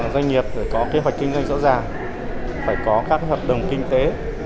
doanh nghiệp phải có kế hoạch kinh doanh rõ ràng phải có các hợp đồng kinh tế